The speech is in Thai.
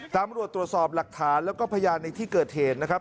ตำรวจตรวจสอบหลักฐานแล้วก็พยานในที่เกิดเหตุนะครับ